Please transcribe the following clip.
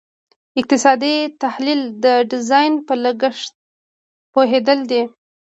اقتصادي تحلیل د ډیزاین په لګښت پوهیدل دي.